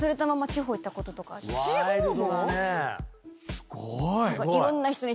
すごーい！